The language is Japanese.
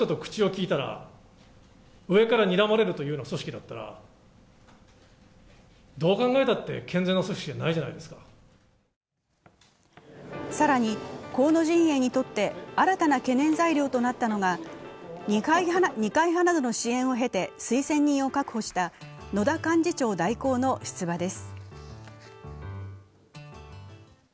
こうした空気について、小泉氏は更に河野陣営にとって新たな懸念材料となったのが、二階派などの支援を経て推薦人を確保した野田幹事長代行の出馬です。